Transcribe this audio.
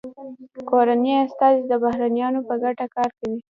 کورني استازي د بهرنیانو په ګټه کار کوي